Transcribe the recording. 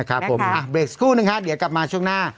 ครับผมเบรกสักครู่นึงฮะเดี๋ยวกลับมาช่วงหน้า